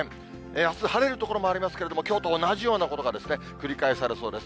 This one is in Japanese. あす晴れる所もありますけれども、きょうと同じようなことが繰り返されそうです。